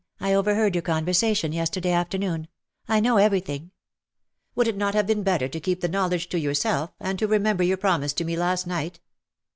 I overheard your conyersation yesterday afternoon. I know everything. ^^" Would it not have been better to keep the knowledge to yourself, and to remember your promise to me^ last night